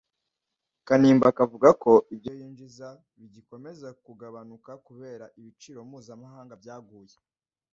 Kanimba akavuga ko ibyo yinjiza bigikomeza kugabanuka kubera ibiciro mpuzamahanga byaguye